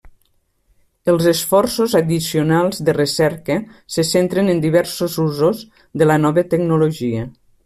Els esforços addicionals de recerca se centren en diversos usos de la nova tecnologia.